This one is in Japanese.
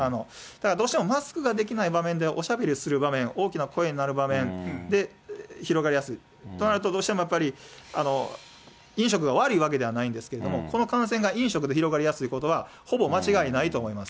どうしてもマスクができない場面ではおしゃべりをする場面、大きな声になる場面で広がりやすい、となるとどうしても、やっぱり、飲食が悪いわけではないんですけれども、この感染が飲食で広がりやすいことは、ほぼ間違いないと思います。